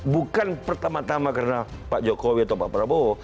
bukan pertama tama karena pak jokowi atau pak prabowo